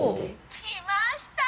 来ました！